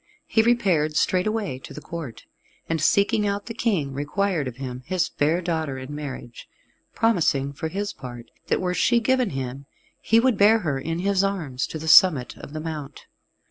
He repaired straightway to the Court, and, seeking out the King, required of him his fair daughter in marriage, promising, for his part, that were she given him, he would bear her in his arms to the summit of the mount.